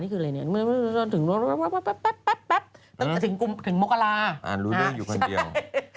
นี่คืออะไรเนี่ยถึงมกราอ่านรู้เรื่องอยู่คนเดียว